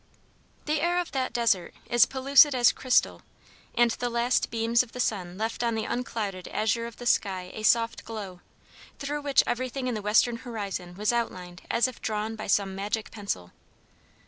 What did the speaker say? The air of that desert is pellucid as crystal, and the last beams of the sun left on the unclouded azure of the sky a soft glow, through which every thing in the western horizon was outlined as if drawn by some magic pencil.